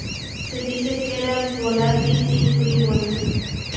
Se dice que era volátil y frívola.